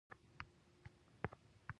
د جنسي کمزوری لپاره جنسینګ وکاروئ